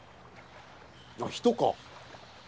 人か。